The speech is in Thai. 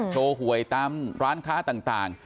หวยตามร้านค้าต่าง